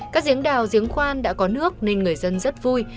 các diễn đào giếng khoan đã có nước nên người dân rất vui